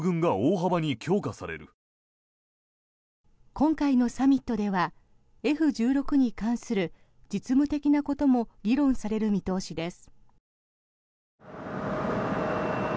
今回のサミットではＦ１６に関する実務的なことも議論される見通しです。